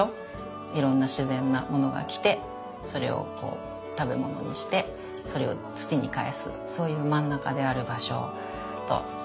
いろんな自然なものが来てそれをこう食べ物にしてそれを土に返すそういう真ん中である場所と思ってます。